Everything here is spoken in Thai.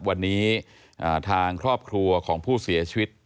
วันนี้ทางครอบครัวของผู้เสียชีวิต